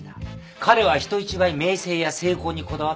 彼は人一倍名声や成功にこだわってる人間だよ。